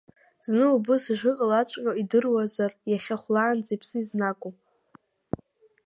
Зны убыс ишыкалаҵәҟьо идыруазар иахьа хәлаанӡа иԥсы изнагом.